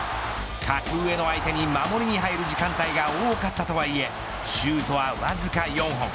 格上の相手に守りに入る時間帯が多かったとはいえシュートはわずか４本。